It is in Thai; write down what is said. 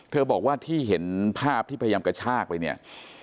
บอกว่าที่เห็นภาพที่พยายามกระชากไปเนี่ย